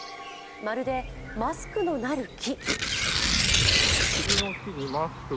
まるでマスクのなる木。